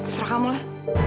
serah kamu lah